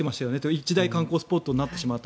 一大観光スポットになってしまったと。